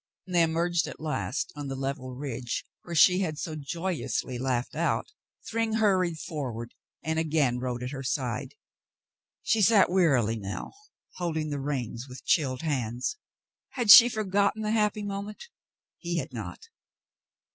When they emerged at last on the level ridge where she fiad so joyously laughed out, Thryng hurried forward and again rode at her side. She sat wearily now, holding the reins with chilled hands. Had she forgotten the happy moment ? He had not.